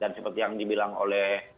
dan seperti yang dibilang oleh